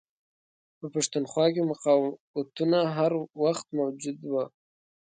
په پښتونخوا کې مقاوتونه هر وخت موجود وه.